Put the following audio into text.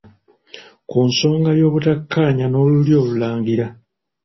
Ku nsonga y'obutakkaanya n'Olulyo Olulangira